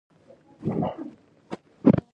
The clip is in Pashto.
آیا هند د چابهار بندر نه جوړوي؟